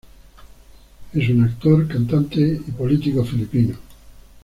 Es un actor, cantante y político filipino.